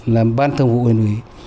làm ban thông vụ huyện ủy